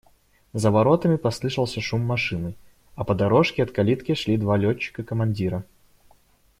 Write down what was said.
За воротами послышался шум машины, а по дорожке от калитки шли два летчика-командира.